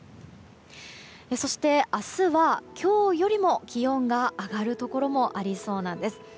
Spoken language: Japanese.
そして、明日は今日よりも気温が上がるところもありそうなんです。